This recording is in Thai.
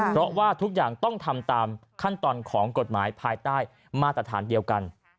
เพราะว่าทุกอย่างต้องทำตามขั้นตอนของกฎหมายภายใต้มาตรฐานเดียวกัน